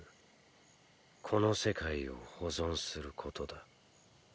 「この世界を保存する」ことだ。